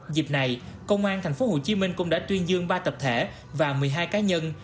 dịp này công an tp hcm cũng đã tuyên dương ba tập thể và một mươi hai cá nhân